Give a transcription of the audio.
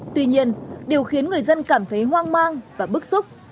tuy nhiên điều khiến người dân cảm thấy hoang mang và bức xúc